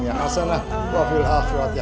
ya allah ya rabbul alamin